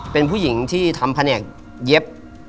เป็นผู้หญิงที่ทำแผนกเย็บ